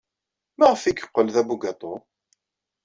Maɣef ay yeqqel d abugaṭu?